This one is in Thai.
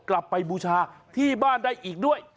กลับไปบูชาที่บ้านได้อีกด้วย